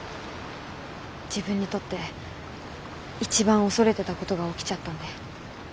自分にとって一番恐れてたことが起きちゃったんで。